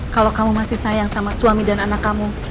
kalau kamu masih sayang sama suami dan anak kamu